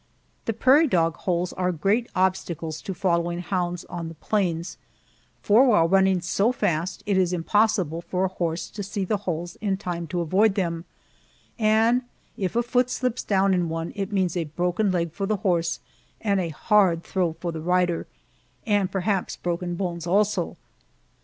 The prairie dog holes are great obstacles to following hounds on the plains, for while running so fast it is impossible for a horse to see the holes in time to avoid them, and if a foot slips down in one it means a broken leg for the horse and a hard throw for the rider, and perhaps broken bones also.